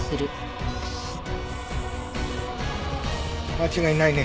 間違いないね。